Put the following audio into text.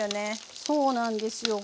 そうなんですよ。